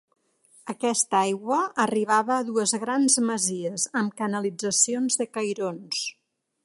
Aquesta aigua arribava a dues grans masies, amb canalitzacions de cairons.